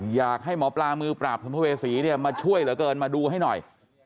อยากให้หมอปลามือปราบสัมภเวษีเนี่ยมาช่วยเหลือเกินมาดูให้หน่อย